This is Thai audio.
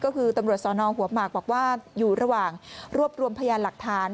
ก็คือตำรวจสนหัวหมากบอกว่าอยู่ระหว่างรวบรวมพยานหลักฐาน